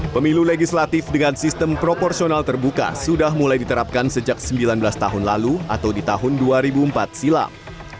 pemilu legislatif dengan sistem proporsional terbuka sudah mulai diterapkan sejak sembilan belas tahun lalu atau di tahun dua ribu empat silam